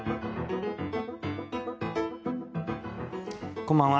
こんばんは。